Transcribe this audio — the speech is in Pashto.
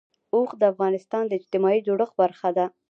اوښ د افغانستان د اجتماعي جوړښت برخه ده.